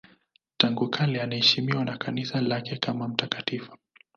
Tangu kale anaheshimiwa na Kanisa lake kama mtakatifu.